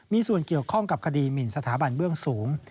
มีส่วนเกี่ยวข้องกับคดีหมินสถาบันเบื้องสูง